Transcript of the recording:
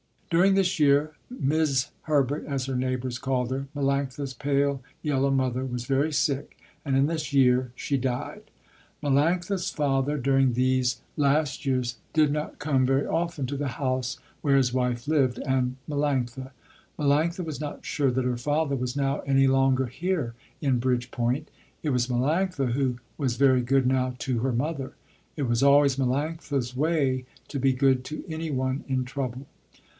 During this year 'Mis' Herbert as her neighbors called her, Melanctha's pale yellow mother was very sick, and in this year she died. Melanctha's father during these last years did not come very often to the house where his wife lived and Melanctha. Melanctha was not sure that her father was now any longer here in Bridgepoint. It was Melanctha who was very good now to her mother. It was always Melanctha's way to be good to any one in trouble.